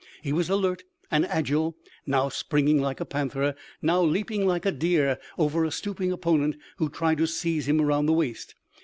He was alert and agile; now springing like a panther, now leaping like a deer over a stooping opponent who tried to seize him around the waist.